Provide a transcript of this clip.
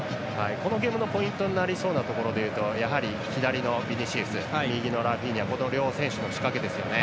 このゲームのポイントになりそうなところは左のビニシウス右のラフィーニャ両選手の仕掛けですよね。